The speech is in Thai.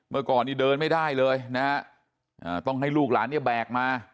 เมื่อก่อนนี้เดินไม่ได้เลยนะฮะต้องให้ลูกหลานเนี่ยแบกมา